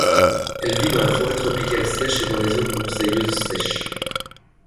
Elle vit dans la forêt tropicale sèche et dans les zones broussailleuses sèches.